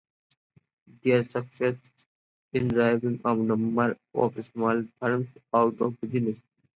They succeeded in driving a number of smaller firms out of business.